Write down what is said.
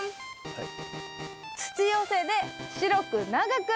はい。